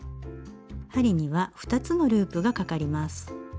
針には２つのループがかかります。